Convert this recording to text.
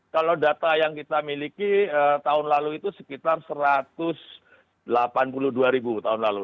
kalau data yang kita miliki tahun lalu itu sekitar satu ratus delapan puluh dua ribu tahun lalu